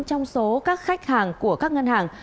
trong số các khách hàng của các ngân hàng